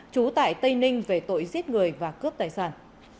trú tại tây ninh về tội giết người và cướp tài sản